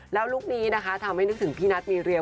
แล้วลุคนี้นะคะทำให้นึกถึงพี่นัทมีเรีย